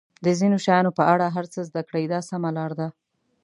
د ځینو شیانو په اړه هر څه زده کړئ دا سمه لار ده.